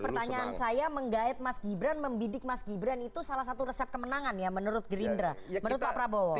jadi pertanyaan saya menggait mas gibran membidik mas gibran itu salah satu resep kemenangan ya menurut gerindra menurut pak prabowo